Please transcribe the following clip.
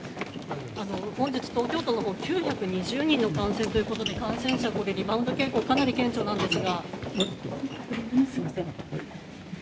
本日、東京都は９２０人の感染ということで感染者のリバウンド傾向がかなり顕著なんですが。